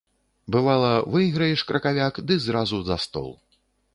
Бывала, выйграеш кракавяк ды зразу за стол.